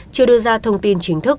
chưa đưa ra thông tin chính thức